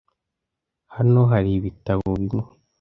hano hari ibitabo bimwe